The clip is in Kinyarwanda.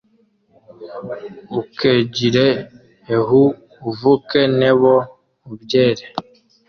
ukegire eho uvuke n’ebo ubyere,